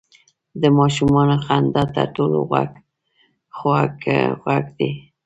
• د ماشومانو خندا تر ټولو خوږ ږغ دی.